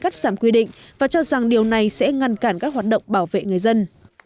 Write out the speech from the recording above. cắt giảm quy định và cho rằng điều này sẽ ngăn cản các hoạt động bảo vệ người dân